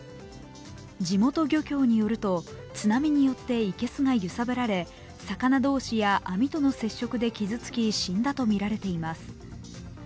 地元漁協によると津波によって生けすが揺さぶられ魚同士や網との接触で傷つき死んだとみられています。